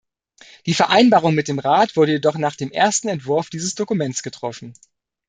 Die Vereinbarung mit dem Rat wurde jedoch nach dem ersten Entwurf dieses Dokuments getroffen.